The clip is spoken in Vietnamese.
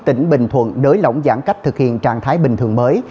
tỉnh bình thuận nới lỏng giãn cách thực hiện trạng thái bình thường mới